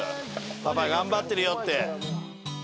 パパ頑張ってるよって。